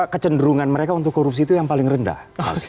kecenderungan mereka untuk korupsi itu yang paling rendah